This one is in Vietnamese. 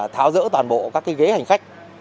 tháo rỡ toàn bộ các ghế hành khách